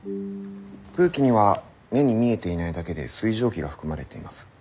空気には目に見えていないだけで水蒸気が含まれています。